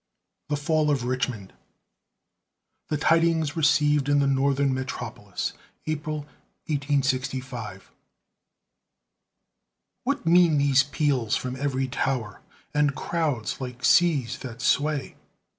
THE FALL OF RICHMOND THE TIDINGS RECEIVED IN THE NORTHERN METROPOLIS (APRIL, 1865) What mean these peals from every tower, And crowds like seas that sway?